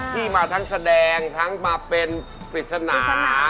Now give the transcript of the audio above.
ที่มาทั้งแสดงทั้งมาเป็นปริศนา